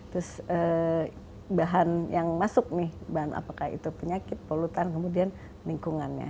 terus bahan yang masuk nih bahan apakah itu penyakit polutan kemudian lingkungannya